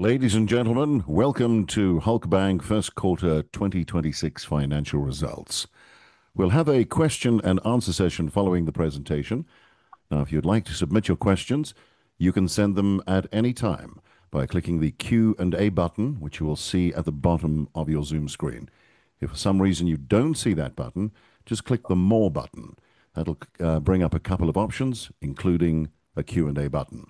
Ladies and gentlemen, welcome to Halkbank 1st quarter 2026 financial results. We'll have a question and answer session following the presentation. If you'd like to submit your questions, you can send them at any time by clicking the Q&A button which you will see at the bottom of your Zoom screen. If for some reason you don't see that button, just click the More button. That'll bring up a couple of options, including a Q&A button.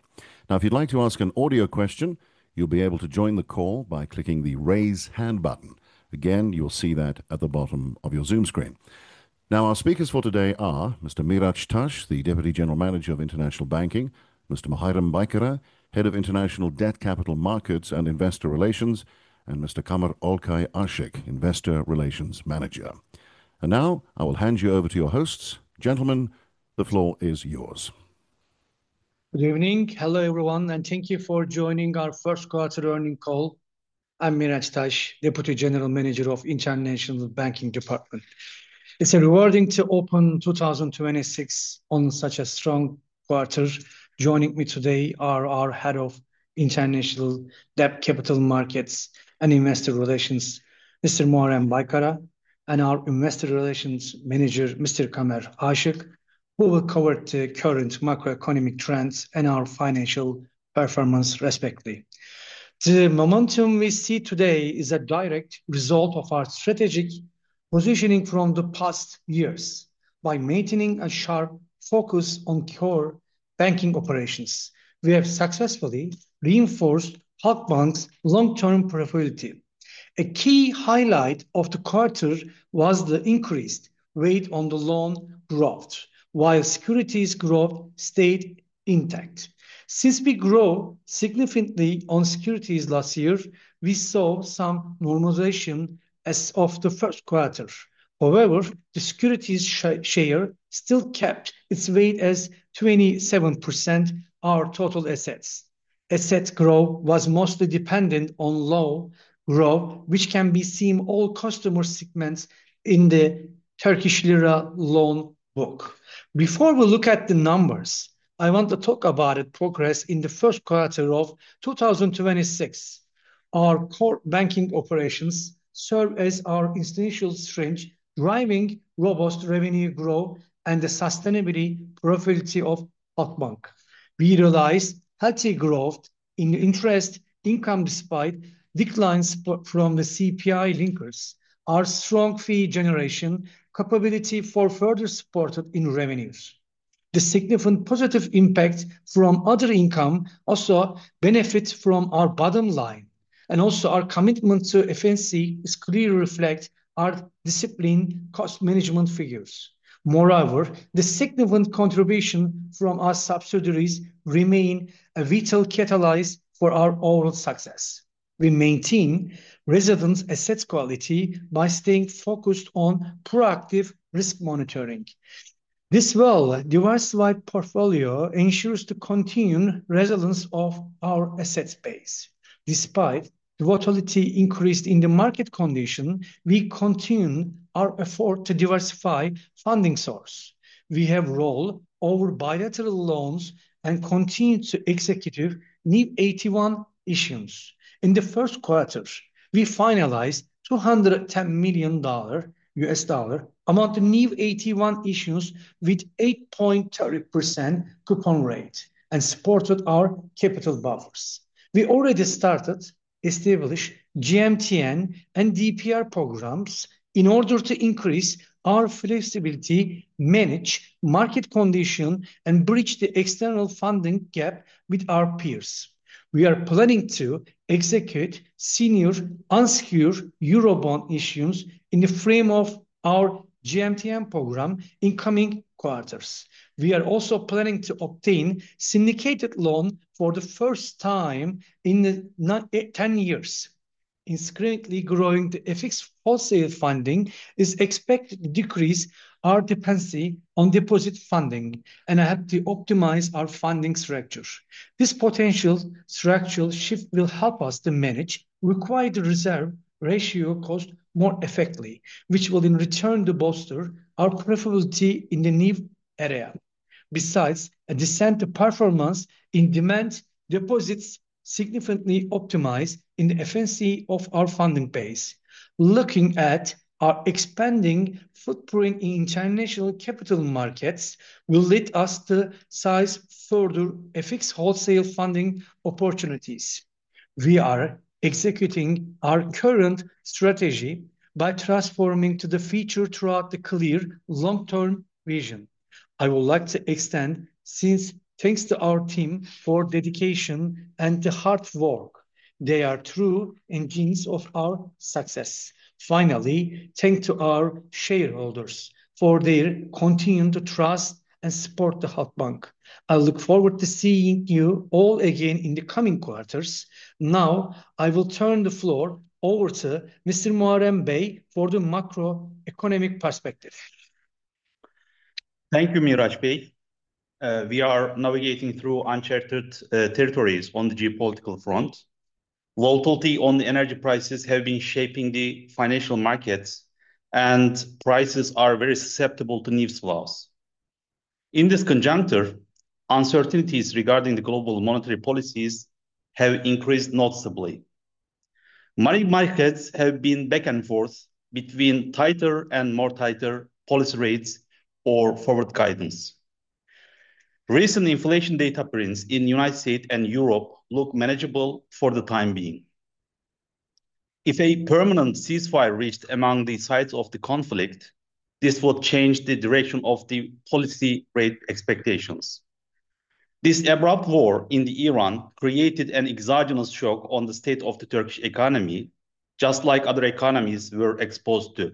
If you'd like to ask an audio question, you'll be able to join the call by clicking the Raise Hand button. Again, you'll see that at the bottom of your Zoom screen. Our speakers for today are Mr. Miraç Taş, the Deputy General Manager of International Banking; Mr. Muharrem Baykara, Head of International Debt Capital Markets and Investor Relations; and Mr. Kamer Olcay Aşık, Investor Relations Manager. Now I will hand you over to your hosts. Gentlemen, the floor is yours. Good evening. Hello, everyone, and thank you for joining our 1st quarter earnings call. I'm Miraç Taş, Deputy General Manager of International Banking Department. It's rewarding to open 2026 on such a strong quarter. Joining me today are our Head of International Debt Capital Markets and Investor Relations, Mr. Muharrem Baykara, and our Investor Relations Manager, Mr. Kamer Aşık, who will cover the current macroeconomic trends and our financial performance respectively. The momentum we see today is a direct result of our strategic positioning from the past years. By maintaining a sharp focus on core banking operations, we have successfully reinforced Halkbank's long-term profitability. A key highlight of the quarter was the increased rate on the loan growth while securities growth stayed intact. Since we grew significantly on securities last year, we saw some normalization as of the 1st quarter. The securities share still kept its weight as 27% our total assets. Asset growth was mostly dependent on loan growth, which can be seen all customer segments in the Turkish lira loan book. Before we look at the numbers, I want to talk about a progress in the first quarter of 2026. Our core banking operations serve as our institutional strength, driving robust revenue growth and the sustainability profitability of Halkbank. We realized healthy growth in interest income despite declines from the CPI linkers. Our strong fee generation capability for further supported in revenues. The significant positive impact from other income also benefits from our bottom line. Our commitment to efficiency is clearly reflect our disciplined cost management figures. The significant contribution from our subsidiaries remain a vital catalyst for our overall success. We maintain resilient asset quality by staying focused on proactive risk monitoring. This well-diversified portfolio ensures the continued resilience of our asset base. Despite the volatility increase in the market condition, we continue our effort to diversify funding source. We have roll over bilateral loans and continue to execute new AT1 issuance. In the 1st quarter, we finalized $210 million among the new AT1 issuance with 8.3% coupon rate and supported our capital buffers. We already started establish GMTN and DPR programs in order to increase our flexibility, manage market condition, and bridge the external funding gap with our peers. We are planning to execute senior unsecured Eurobond issuance in the frame of our GMTN program in coming quarters. We are also planning to obtain syndicated loan for the first time in the 10 years. Strictly growing the FX wholesale funding is expected to decrease our dependency on deposit funding and help to optimize our funding structure. This potential structural shift will help us to manage required reserve ratio cost more effectively, which will in return bolster our profitability in the new era. Besides, a decent performance in demand deposits significantly optimize the efficiency of our funding base. Looking at our expanding footprint in international capital markets will lead us to seize further FX wholesale funding opportunities. We are executing our current strategy by transforming to the future throughout the clear long-term vision. I would like to extend sincere thanks to our team for dedication and the hard work. They are true engines of our success. Finally, thanks to our shareholders for their continued trust and support to Halkbank. I look forward to seeing you all again in the coming quarters. Now I will turn the floor over to Mr. Muharrem Bey for the macroeconomic perspective. Thank you, Miraç Bey. We are navigating through uncharted territories on the geopolitical front. Volatility on the energy prices have been shaping the financial markets, and prices are very susceptible to news flows. In this conjuncture, uncertainties regarding the global monetary policies have increased noticeably. Money markets have been back and forth between tighter and more tighter policy rates or forward guidance. Recent inflation data prints in United States and Europe look manageable for the time being. If a permanent ceasefire reached among the sides of the conflict, this would change the direction of the policy rate expectations. This abrupt war in the Iran created an exogenous shock on the state of the Turkish economy, just like other economies were exposed to.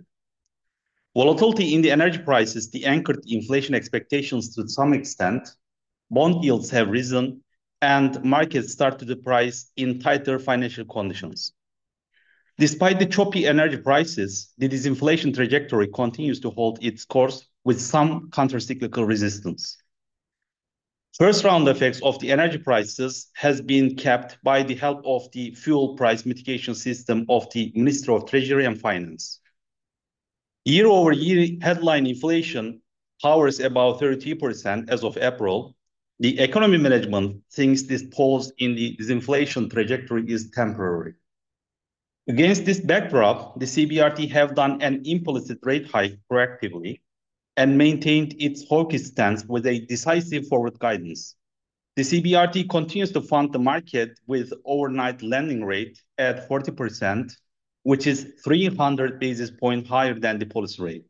Volatility in the energy prices, the anchored inflation expectations to some extent, bond yields have risen, and markets start to price in tighter financial conditions. Despite the choppy energy prices, the disinflation trajectory continues to hold its course with some countercyclical resistance. First round effects of the energy prices has been kept by the help of the fuel price mitigation system of the Ministry of Treasury and Finance. Year-over-year headline inflation hovers above 32% as of April. The economy management thinks this pause in the disinflation trajectory is temporary. Against this backdrop, the CBRT have done an implicit rate hike proactively and maintained its hawkish stance with a decisive forward guidance. The CBRT continues to fund the market with overnight lending rate at 40%, which is 300 basis points higher than the policy rate.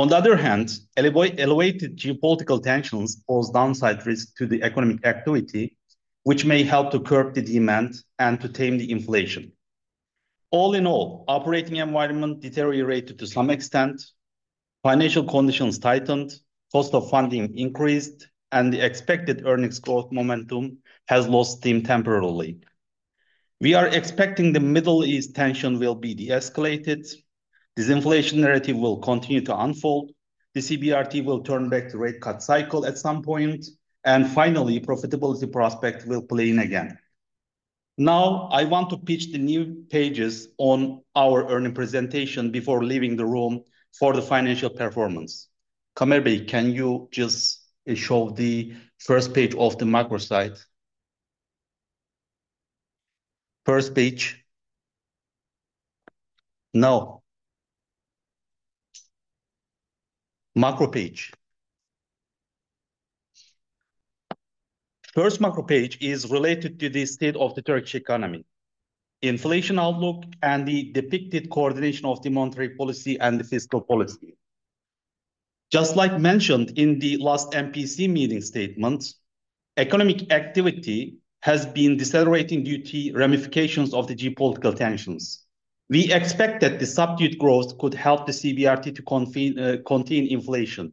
On the other hand, elevated geopolitical tensions pose downside risk to the economic activity, which may help to curb the demand and to tame the inflation. All in all, operating environment deteriorated to some extent, financial conditions tightened, cost of funding increased, and the expected earnings growth momentum has lost steam temporarily. We are expecting the Middle East tension will be de-escalated, disinflation narrative will continue to unfold, the CBRT will turn back to rate cut cycle at some point, and finally, profitability prospect will play in again. I want to pitch the new pages on our earning presentation before leaving the room for the financial performance. Kamer Bey, can you just show the first page of the macro site? First page. Macro page. First macro page is related to the state of the Turkish economy, inflation outlook, and the depicted coordination of the monetary policy and the fiscal policy. Just like mentioned in the last MPC meeting statement, economic activity has been decelerating due to ramifications of the geopolitical tensions. We expect that the subdued growth could help the CBRT to contain inflation.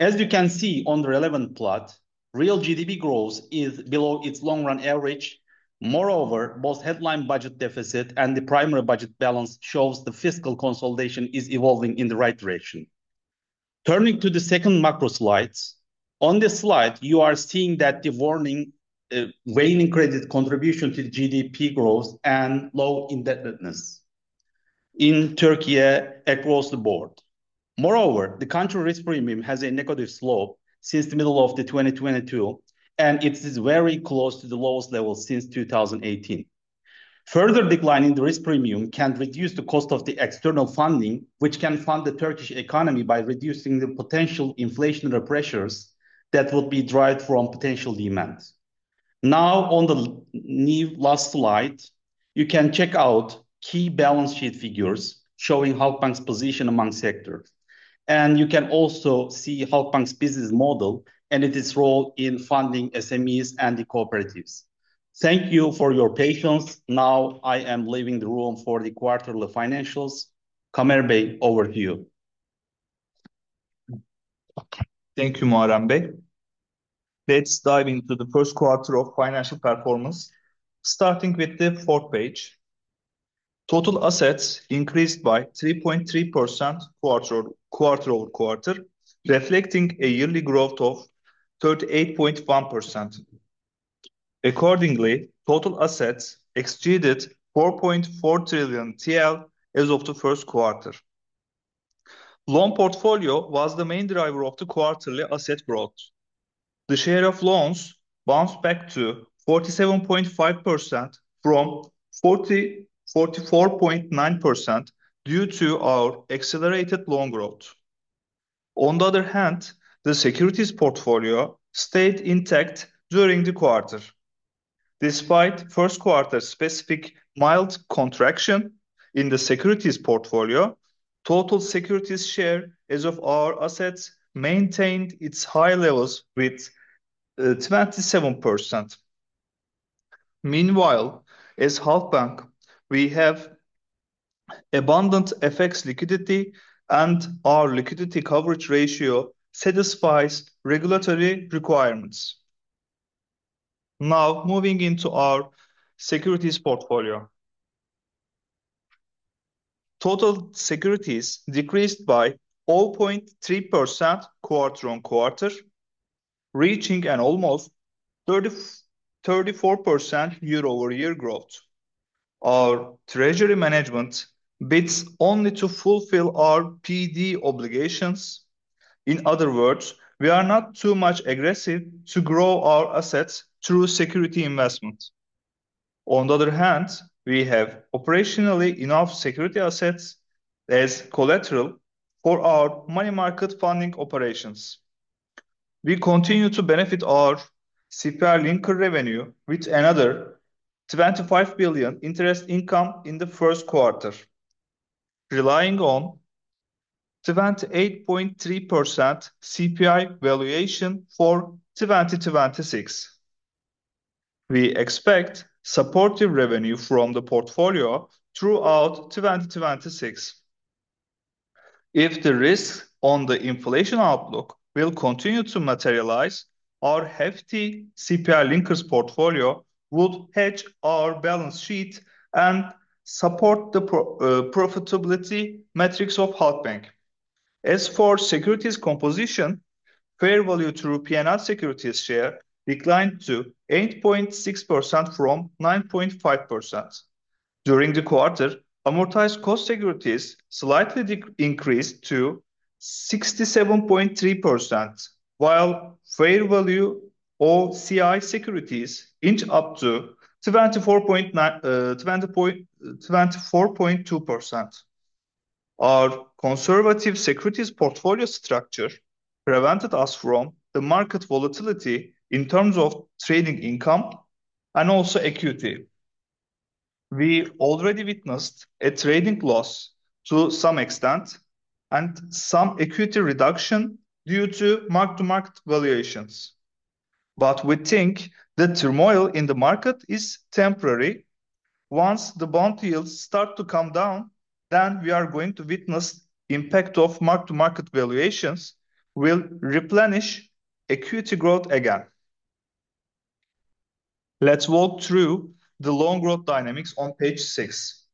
As you can see on the relevant plot, real GDP growth is below its long-run average. Moreover, both headline budget deficit and the primary budget balance shows the fiscal consolidation is evolving in the right direction. Turning to the second macro slides. On this slide, you are seeing that the waning credit contribution to the GDP growth and low indebtedness in Türkiye across the board. Moreover, the country risk premium has a negative slope since the middle of the 2022, and it is very close to the lowest level since 2018. Further decline in the risk premium can reduce the cost of the external funding, which can fund the Turkish economy by reducing the potential inflationary pressures that will be derived from potential demand. On the new last slide, you can check out key balance sheet figures showing Halkbank's position among sectors. You can also see Halkbank's business model and its role in funding SMEs and the cooperatives. Thank you for your patience. I am leaving the room for the quarterly financials. Kamer Bey, over to you. Thank you, Muharrem Bey. Let's dive into the first quarter of financial performance. Starting with the fourth page, total assets increased by 3.3% quarter-over-quarter, reflecting a yearly growth of 38.1%. Accordingly, total assets exceeded 4.4 trillion TL as of the first quarter. Loan portfolio was the main driver of the quarterly asset growth. The share of loans bounced back to 47.5% from 44.9% due to our accelerated loan growth. On the other hand, the securities portfolio stayed intact during the quarter. Despite first quarter specific mild contraction in the securities portfolio, total securities share as of our assets maintained its high levels with 27%. Meanwhile, as Halkbank, we have abundant FX liquidity, and our liquidity coverage ratio satisfies regulatory requirements. Now, moving into our securities portfolio. Total securities decreased by 0.3% quarter-on-quarter, reaching an almost 30, 34% year-over-year growth. Our treasury management bids only to fulfill our PD obligations. In other words, we are not too much aggressive to grow our assets through security investments. On the other hand, we have operationally enough security assets as collateral for our money market funding operations. We continue to benefit our CPI-linked revenue with another 25 billion interest income in the first quarter. Relying on 78.3% CPI valuation for 2026. We expect supportive revenue from the portfolio throughout 2026. If the risk on the inflation outlook will continue to materialize, our hefty CPI linkers portfolio would hedge our balance sheet and support the profitability metrics of Halkbank. As for securities composition, fair value through P&L securities share declined to 8.6% from 9.5%. During the quarter, amortized cost securities slightly increased to 67.3%, while fair value OCI securities inched up to 74.2%. Our conservative securities portfolio structure prevented us from the market volatility in terms of trading income and also equity. We already witnessed a trading loss to some extent and some equity reduction due to mark-to-market valuations. We think the turmoil in the market is temporary. Once the bond yields start to come down, we are going to witness impact of mark-to-market valuations will replenish equity growth again. Let's walk through the loan growth dynamics on page 6.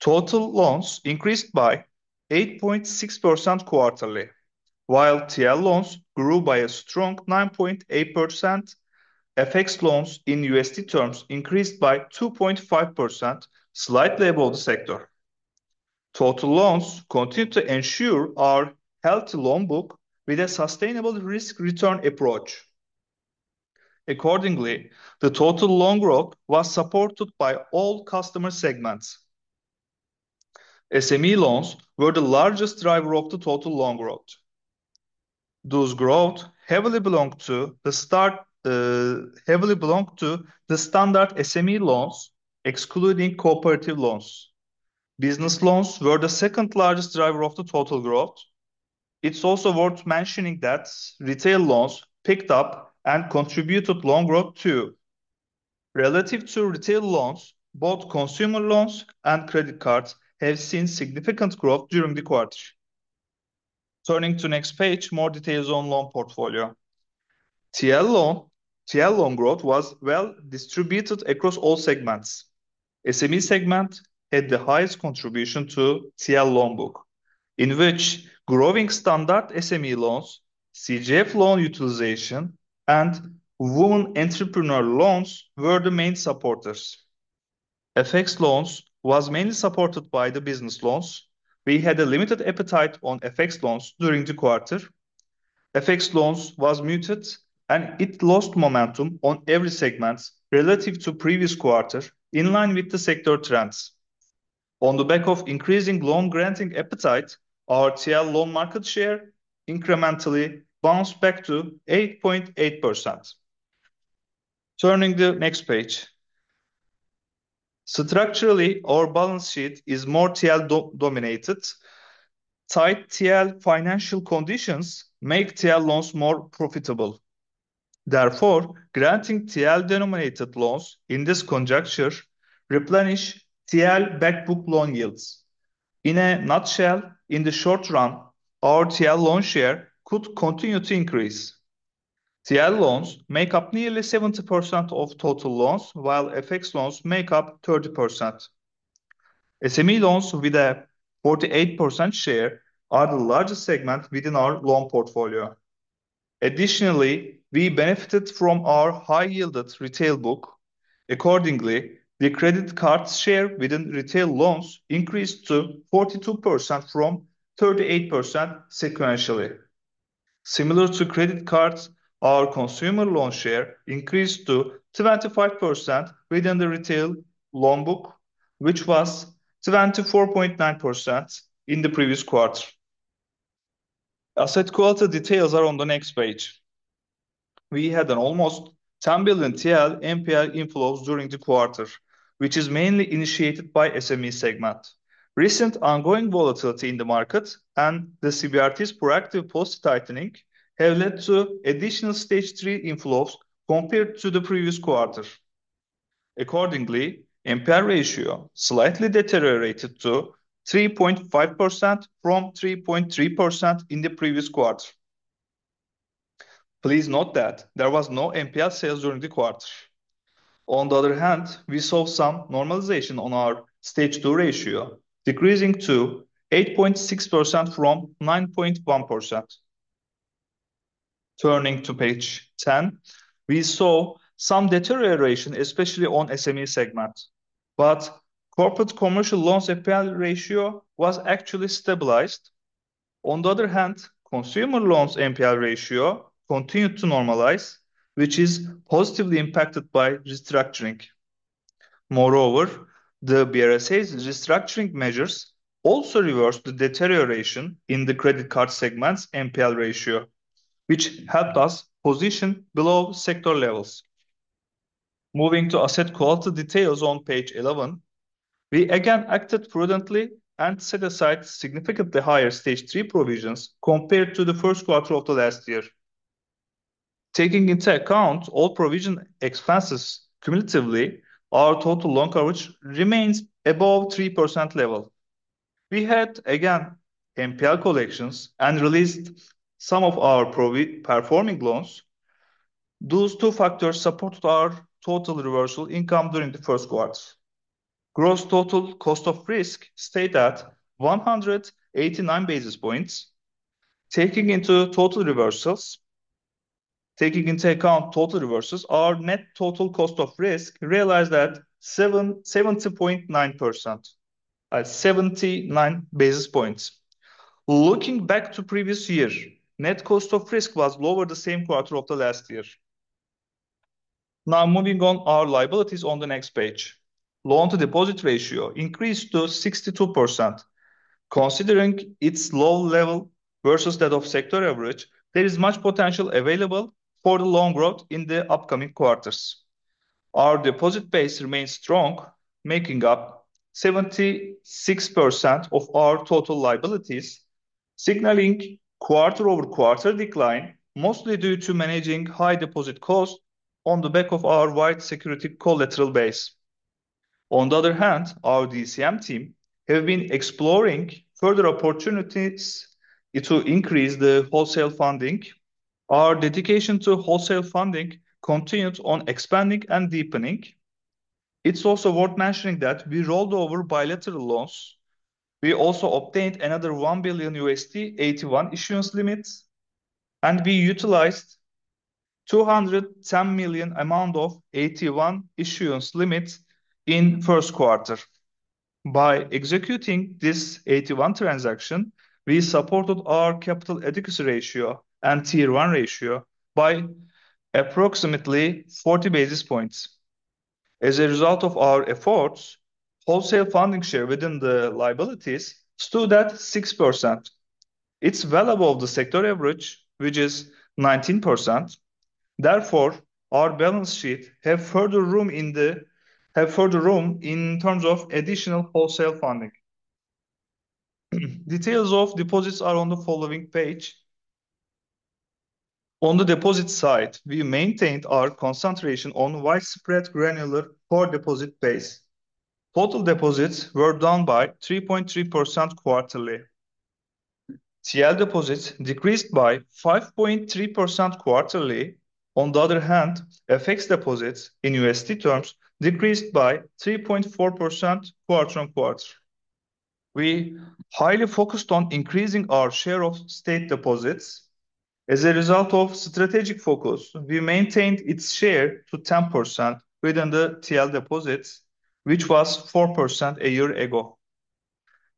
Total loans increased by 8.6% quarterly, while TL loans grew by a strong 9.8%. FX loans in USD terms increased by 2.5%, slightly above the sector. Total loans continue to ensure our healthy loan book with a sustainable risk-return approach. Accordingly, the total loan growth was supported by all customer segments. SME loans were the largest driver of the total loan growth. Those growth heavily belong to the standard SME loans, excluding cooperative loans. Business loans were the second-largest driver of the total growth. It's also worth mentioning that retail loans picked up and contributed loan growth too. Relative to retail loans, both consumer loans and credit cards have seen significant growth during the quarter. Turning to next page, more details on loan portfolio. TL loan growth was well distributed across all segments. SME segment had the highest contribution to TL loan book, in which growing standard SME loans, CGF loan utilization, and woman entrepreneur loans were the main supporters. FX loans was mainly supported by the business loans. We had a limited appetite on FX loans during the quarter. FX loans was muted, and it lost momentum on every segment relative to previous quarter, in line with the sector trends. On the back of increasing loan granting appetite, our TL loan market share incrementally bounced back to 8.8%. Turning the next page. Structurally, our balance sheet is more TL dominated. Tight TL financial conditions make TL loans more profitable. Therefore, granting TL-denominated loans in this conjecture replenish TL back book loan yields. In a nutshell, in the short run, our TL loan share could continue to increase. TL loans make up nearly 70% of total loans, while FX loans make up 30%. SME loans with a 48% share are the largest segment within our loan portfolio. Additionally, we benefited from our high-yielded retail book. Accordingly, the credit card share within retail loans increased to 42% from 38% sequentially. Similar to credit cards, our consumer loan share increased to 75% within the retail loan book, which was 74.9% in the previous quarter. Asset quality details are on the next page. We had an almost 10 billion TL NPL inflows during the quarter, which is mainly initiated by SME segment. Recent ongoing volatility in the market and the CBRT's proactive policy tightening have led to additional stage 3 inflows compared to the previous quarter. Accordingly, NPL ratio slightly deteriorated to 3.5% from 3.3% in the previous quarter. Please note that there was no NPL sales during the quarter. We saw some normalization on our Stage 2 ratio, decreasing to 8.6% from 9.1%. Turning to page 10, we saw some deterioration, especially on SME segment. Corporate commercial loans NPL ratio was actually stabilized. Consumer loans NPL ratio continued to normalize, which is positively impacted by restructuring. The BRSA's restructuring measures also reversed the deterioration in the credit card segment's NPL ratio, which helped us position below sector levels. Moving to asset quality details on page 11, we again acted prudently and set aside significantly higher Stage 3 provisions compared to the first quarter of the last year. Taking into account all provision expenses cumulatively, our total loan coverage remains above 3% level. We had, again, NPL collections and released some of our performing loans. Those two factors supported our total reversal income during the first quarter. Gross total cost of risk stayed at 189 basis points. Taking into account total reversals, our net total cost of risk realized at 70.9% at 79 basis points. Looking back to previous year, net cost of risk was lower the same quarter of the last year. Moving on our liabilities on the next page. Loan-to-deposit ratio increased to 62%. Considering its low level versus that of sector average, there is much potential available for the loan growth in the upcoming quarters. Our deposit base remains strong, making up 76% of our total liabilities, signaling quarter-over-quarter decline, mostly due to managing high deposit costs on the back of our wide security collateral base. On the other hand, our DCM team have been exploring further opportunities to increase the wholesale funding. Our dedication to wholesale funding continued on expanding and deepening. It's also worth mentioning that we rolled over bilateral loans. We also obtained another $1 billion AT1 issuance limits, and we utilized $210 million amount of AT1 issuance limits in first quarter. By executing this AT1 transaction, we supported our capital adequacy ratio and Tier 1 ratio by approximately 40 basis points. As a result of our efforts, wholesale funding share within the liabilities stood at 6%. It's well above the sector average, which is 19%. Our balance sheet have further room in terms of additional wholesale funding. Details of deposits are on the following page. On the deposit side, we maintained our concentration on widespread granular core deposit base. Total deposits were down by 3.3% quarterly. TL deposits decreased by 5.3% quarterly. On the other hand, FX deposits in USD terms decreased by 3.4% quarter-on-quarter. We highly focused on increasing our share of state deposits. As a result of strategic focus, we maintained its share to 10% within the TL deposits, which was 4% a year ago.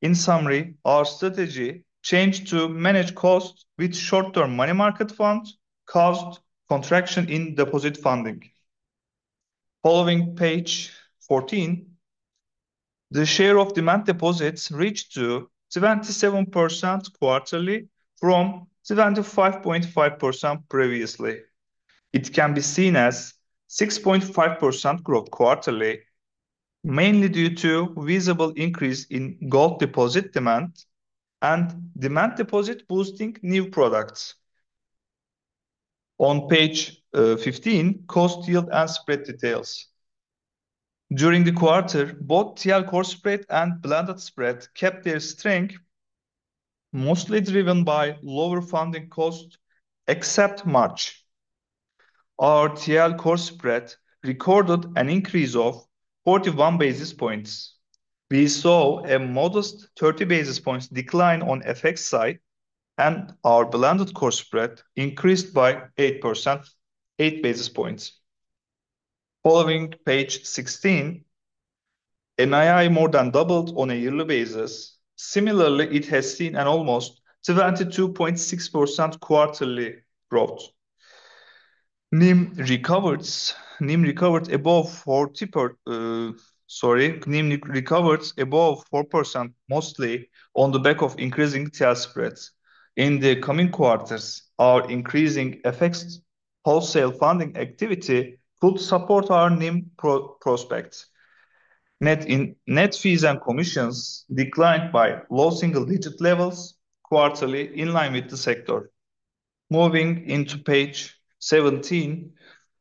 In summary, our strategy changed to manage costs with short-term money market funds caused contraction in deposit funding. Following page 14, the share of demand deposits reached to 77% quarterly from 75.5% previously. It can be seen as 6.5% growth quarterly, mainly due to visible increase in gold deposit demand and demand deposit boosting new products. On page 15, cost yield and spread details. During the quarter, both TL core spread and blended spread kept their strength, mostly driven by lower funding costs, except March. Our TL core spread recorded an increase of 41 basis points. We saw a modest 30 basis points decline on FX side, and our blended core spread increased by 8%, 8 basis points. Following page 16, NII more than doubled on a yearly basis. Similarly, it has seen an almost 72.6% quarterly growth. NIM recovered above 4%, mostly on the back of increasing TL spreads. In the coming quarters, our increasing FX wholesale funding activity could support our NIM prospects. Net fees and commissions declined by low single-digit levels quarterly in line with the sector. Moving into page 17,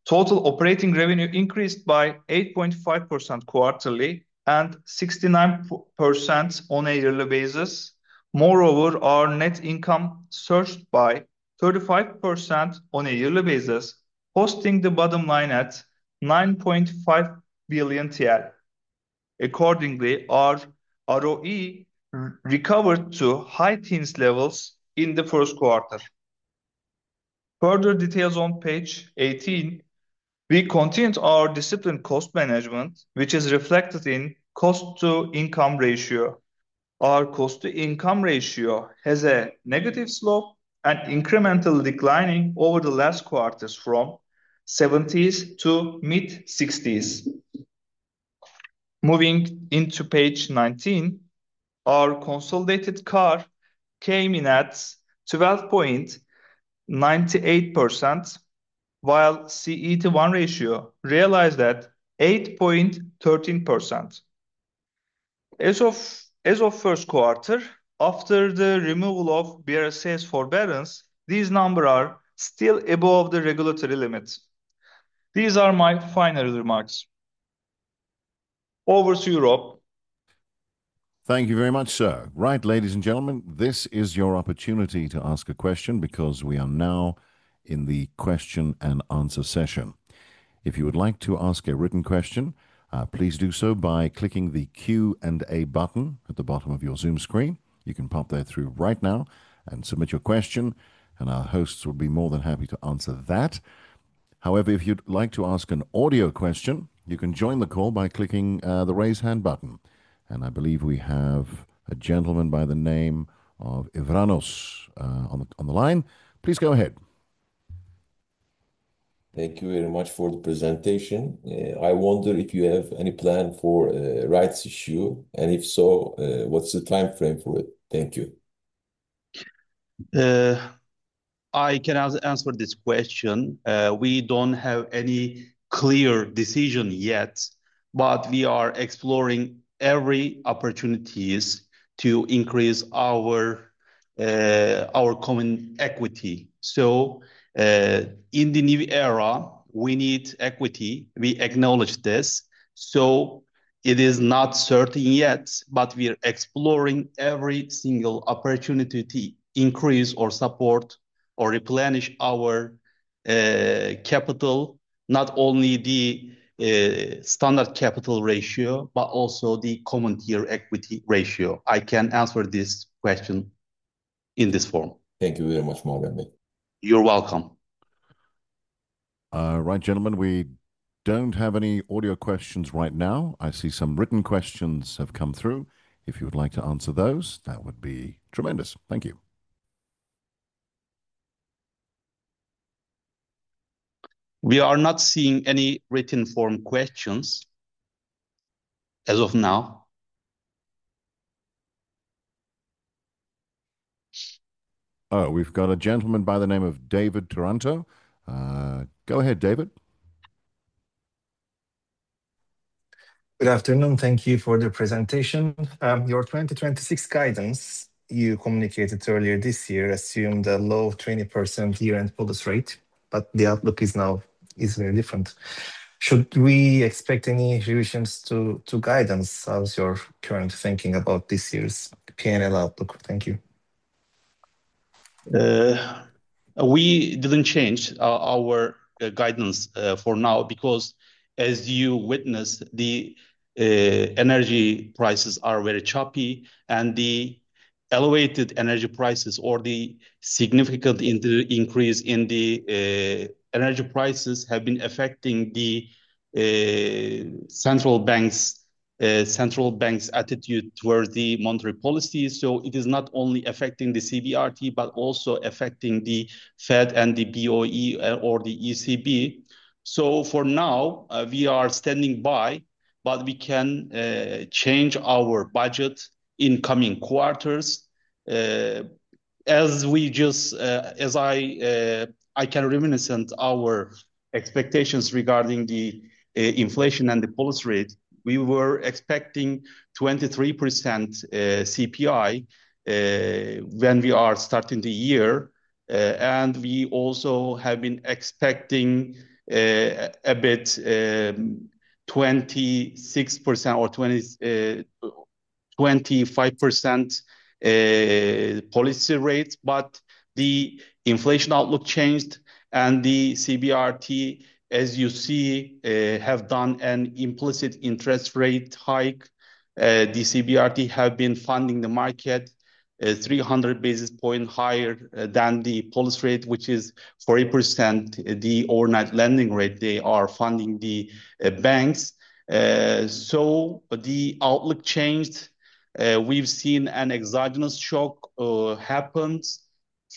total operating revenue increased by 8.5% quarterly and 69% on a yearly basis. Moreover, our net income surged by 35% on a yearly basis, hosting the bottom line at 9.5 billion TL. Accordingly, our ROE recovered to high teens levels in the first quarter. Further details on page 18. We continued our disciplined cost management, which is reflected in cost to income ratio. Our cost to income ratio has a negative slope and incremental declining over the last quarters from 70s to mid-60s. Moving into page 19, our consolidated CAR came in at 12.98%, while CET1 ratio realized at 8.13%. As of first quarter, after the removal of BRSA forbearance, these number are still above the regulatory limits. These are my final remarks. Over to you, Rob. Thank you very much, sir. Ladies and gentlemen, this is your opportunity to ask a question because we are now in the question and answer session. If you would like to ask a written question, please do so by clicking the Q&A button at the bottom of your Zoom screen. You can pop that through right now and submit your question. Our hosts will be more than happy to answer that. If you'd like to ask an audio question, you can join the call by clicking the Raise Hand button. I believe we have a gentleman by the name of [Evranos] on the line. Please go ahead. Thank you very much for the presentation. I wonder if you have any plan for a rights issue, and if so, what's the timeframe for it? Thank you. I can answer this question. We don't have any clear decision yet, but we are exploring every opportunities to increase our common equity. In the new era, we need equity. We acknowledge this. It is not certain yet, but we're exploring every single opportunity to increase or support or replenish our capital, not only the standard capital ratio, but also the common Tier 1 equity ratio. I can answer this question in this form. Thank you very much, Muharrem Baykara. You're welcome. Right, gentlemen, we don't have any audio questions right now. I see some written questions have come through. If you would like to answer those, that would be tremendous. Thank you. We are not seeing any written form questions as of now. Oh, we've got a gentleman by the name of [David Toronto]. Go ahead, David. Good afternoon. Thank you for the presentation. Your 2026 guidance you communicated earlier this year assumed a low 20% year-end policy rate. The outlook is now easily different. Should we expect any revisions to guidance? How is your current thinking about this year's P&L outlook? Thank you. We didn't change our guidance for now because as you witnessed, the energy prices are very choppy, and the elevated energy prices or the significant in the increase in the energy prices have been affecting the central bank's, central bank's attitude towards the monetary policy. It is not only affecting the CBRT, but also affecting the Fed and the BoE or the ECB. For now, we are standing by, but we can change our budget in coming quarters. As we just, as I can reminiscent our expectations regarding the inflation and the policy rate. We were expecting 23% CPI when we are starting the year. And we also have been expecting a bit 26% or 25% policy rates. The inflation outlook changed, and the CBRT, as you see, have done an implicit interest rate hike. The CBRT have been funding the market, 300 basis point higher than the policy rate, which is 40% the overnight lending rate they are funding the banks. The outlook changed. We've seen an exogenous shock happened.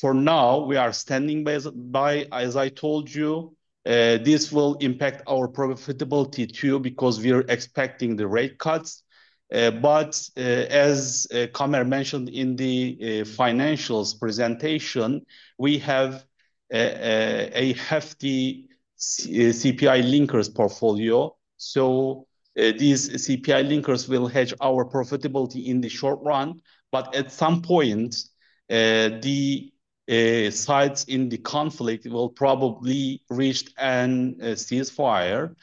For now, we are standing by, as I told you. This will impact our profitability too because we are expecting the rate cuts. As Kamer mentioned in the financials presentation, we have a hefty CPI linkers portfolio. These CPI linkers will hedge our profitability in the short run. Sides in the conflict will probably reach a ceasefire.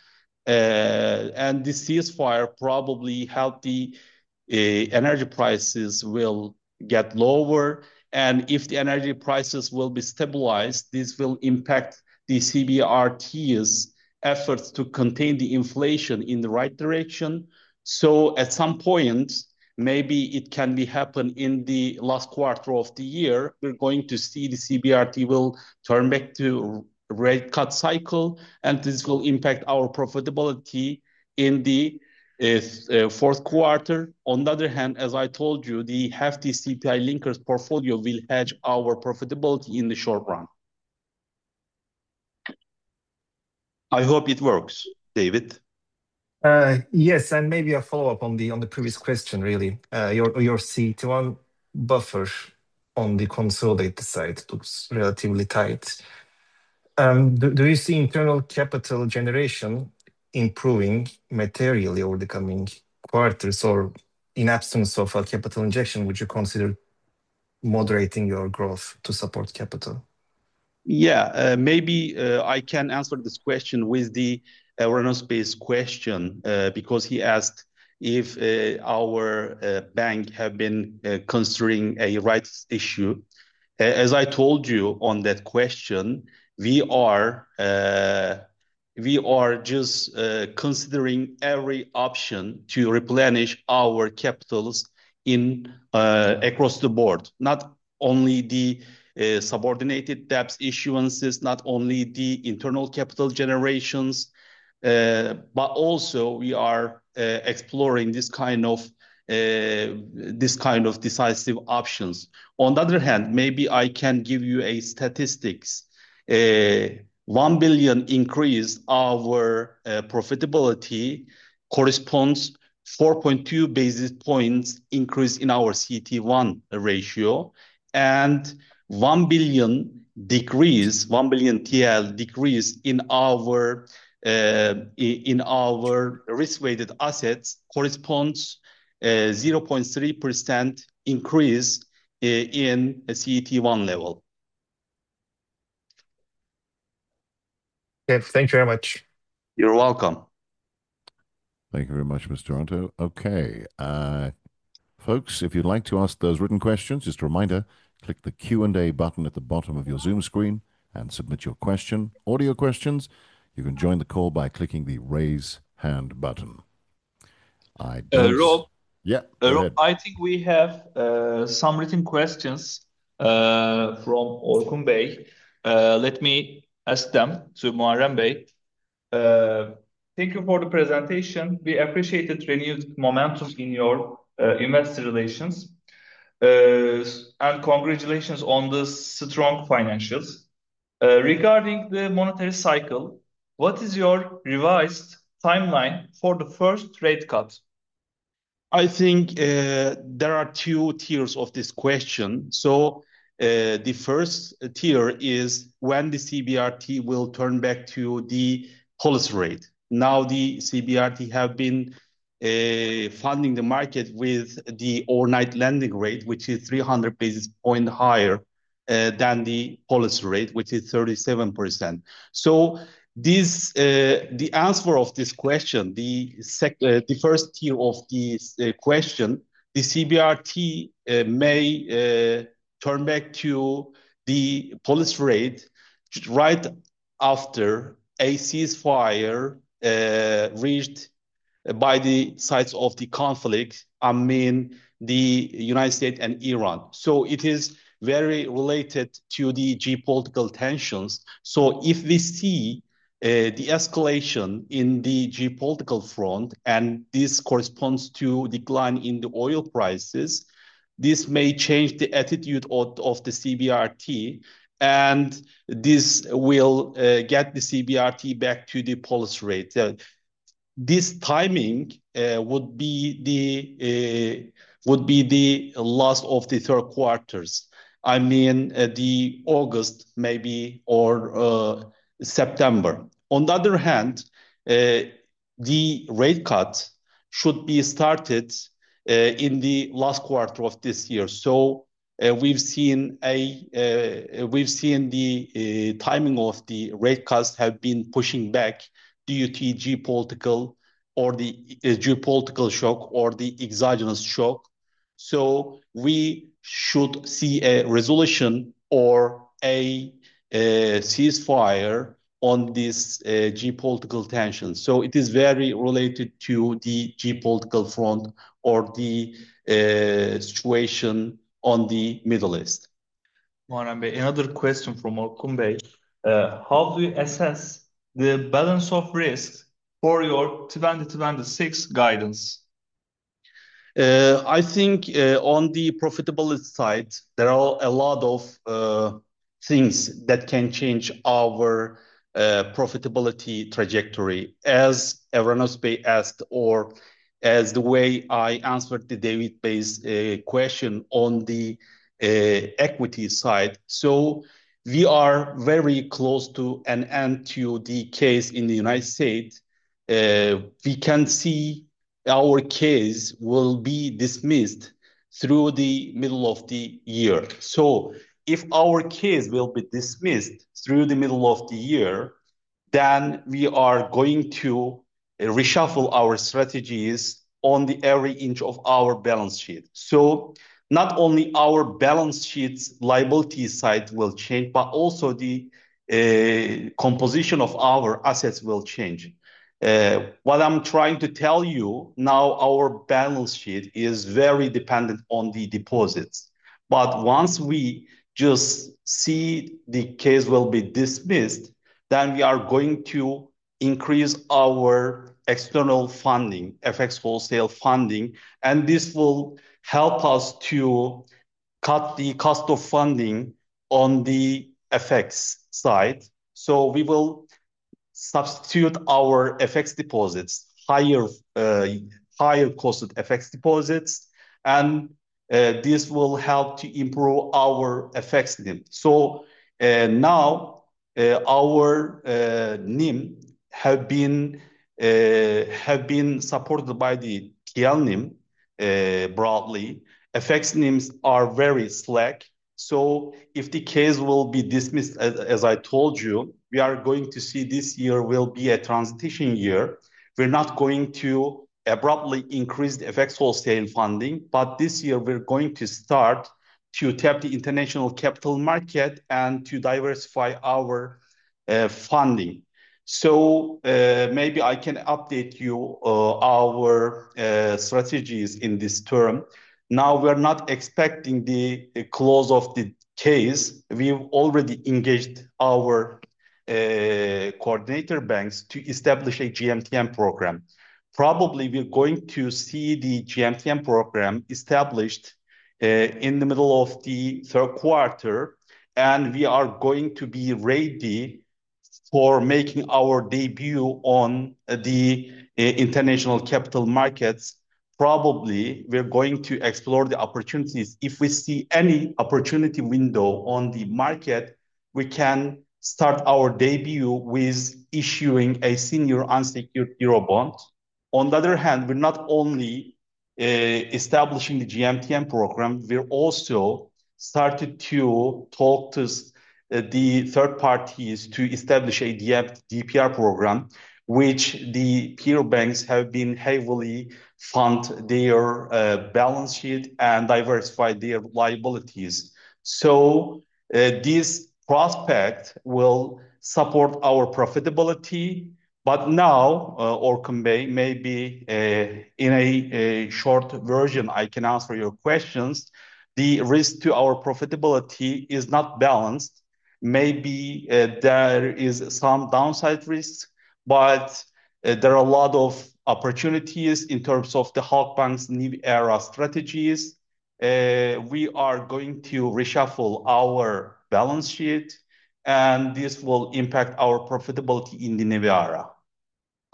The ceasefire probably help the energy prices will get lower. If the energy prices will be stabilized, this will impact the CBRT's efforts to contain the inflation in the right direction. At some point, maybe it can be happen in the last quarter of the year, we're going to see the CBRT will turn back to rate cut cycle, this will impact our profitability in the fourth quarter. On the other hand, as I told you, the hefty CPI linkers portfolio will hedge our profitability in the short run. I hope it works, David. Yes, maybe a follow-up on the previous question really. Your CET1 buffer on the consolidated side looks relatively tight. Do you see internal capital generation improving materially over the coming quarters? In absence of a capital injection, would you consider moderating your growth to support capital? Yeah. Maybe I can answer this question with the Evrenos Bey's question. Because he asked if our bank have been considering a rights issue. As I told you on that question, we are just considering every option to replenish our capitals in across the board. Not only the subordinated debts issuances, not only the internal capital generations, but also we are exploring this kind of decisive options. On the other hand, maybe I can give you a statistics. 1 billion increase our profitability corresponds 4.2 basis points increase in our CET1 ratio, and 1 billion decrease, 1 billion TL decrease in our in our risk-weighted assets corresponds 0.3% increase in CET1 level. Okay. Thank you very much. You're welcome. Thank you very much, Mr. Toronto. Okay. Folks, if you'd like to ask those written questions, just a reminder, click the Q&A button at the bottom of your Zoom screen and submit your question. Audio questions, you can join the call by clicking the Raise Hand button. Rob. Yeah, go ahead. Rob, I think we have some written questions from [Orkun Bey]. Let me ask them to Muharrem Bey. Thank you for the presentation. We appreciate the renewed momentum in your investor relations. Congratulations on the strong financials. Regarding the monetary cycle, what is your revised timeline for the first rate cut? I think there are 2 tiers of this question. The first tier is when the CBRT will turn back to the policy rate. The CBRT have been funding the market with the overnight lending rate, which is 300 basis point higher than the policy rate, which is 37%. This, the answer of this question, the first tier of this question, the CBRT may turn back to the policy rate right after a ceasefire reached by the sides of the conflict, I mean, the U.S. and Iran. If we see the escalation in the geopolitical front, and this corresponds to decline in the oil prices, this may change the attitude of the CBRT, and this will get the CBRT back to the policy rate. This timing would be the last of the third quarters. I mean, the August maybe or September. On the other hand, the rate cut should be started in the last quarter of this year. We've seen the timing of the rate cuts have been pushing back due to geopolitical or the geopolitical shock or the exogenous shock. We should see a resolution or a ceasefire on this geopolitical tension. It is very related to the geopolitical front or the situation on the Middle East. Muharrem Bey, another question from Orkun Bey. How do you assess the balance of risk for your 2026 guidance? I think, on the profitability side, there are a lot of things that can change our profitability trajectory. As Evrenos Bey asked or as the way I answered the David Bey's question on the equity side. We are very close to an end to the case in the United States. Our case will be dismissed through the middle of the year. If our case will be dismissed through the middle of the year, then we are going to reshuffle our strategies on the every inch of our balance sheet. Not only our balance sheet's liability side will change, but also the composition of our assets will change. What I'm trying to tell you, now our balance sheet is very dependent on the deposits, but once we just see the case will be dismissed, then we are going to increase our external funding, FX wholesale funding, and this will help us to cut the cost of funding on the FX side. We will substitute our FX deposits higher cost of FX deposits, this will help to improve our FX NIM. Now, our NIM have been supported by the TL NIM broadly. FX NIMs are very slack, if the case will be dismissed, as I told you, we are going to see this year will be a transition year. We're not going to abruptly increase the FX wholesale funding, but this year we're going to start to tap the international capital market and to diversify our funding. Maybe I can update you our strategies in this term. Now we're not expecting the close of the case. We've already engaged our coordinator banks to establish a GMTN program. Probably we're going to see the GMTN program established in the middle of the third quarter, and we are going to be ready for making our debut on the international capital markets. Probably we're going to explore the opportunities. If we see any opportunity window on the market, we can start our debut with issuing a senior unsecured Eurobond. On the other hand, we're not only establishing the GMTN program, we're also started to talk to the third parties to establish a DPR program, which the peer banks have been heavily fund their balance sheet and diversify their liabilities. This prospect will support our profitability. Now, Orkun Bey, maybe in a short version I can answer your questions. The risk to our profitability is not balanced. Maybe there is some downside risks, but there are a lot of opportunities in terms of the Halkbank's new era strategies. We are going to reshuffle our balance sheet, and this will impact our profitability in the new era.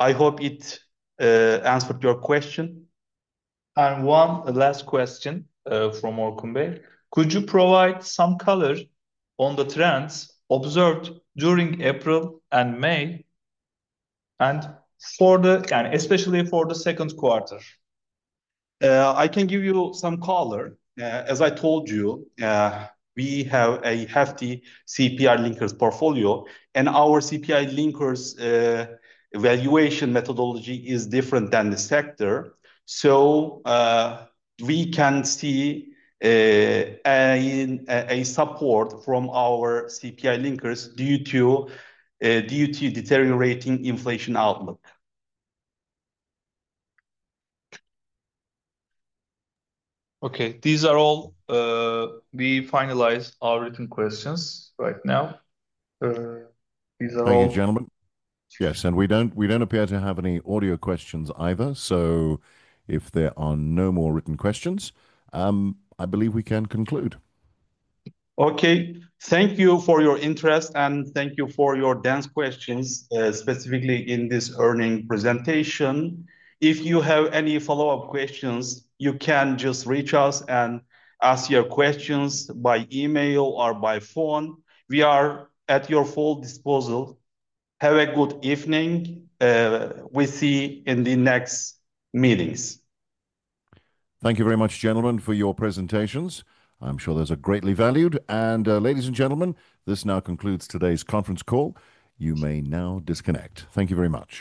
I hope it answered your question. One last question from Orkun Bey. Could you provide some color on the trends observed during April and May, and especially for the second quarter? I can give you some color. As I told you, we have a hefty CPI linkers portfolio, and our CPI linkers valuation methodology is different than the sector. We can see a support from our CPI linkers due to deteriorating inflation outlook. Okay. These are all, we finalized our written questions right now. Thank you, gentlemen. Yes. We don't appear to have any audio questions either. If there are no more written questions, I believe we can conclude. Okay. Thank you for your interest, and thank you for your dense questions, specifically in this earning presentation. If you have any follow-up questions, you can just reach us and ask your questions by email or by phone. We are at your full disposal. Have a good evening. We see you in the next meetings. Thank you very much, gentlemen, for your presentations. I'm sure those are greatly valued. Ladies and gentlemen, this now concludes today's conference call. You may now disconnect. Thank you very much.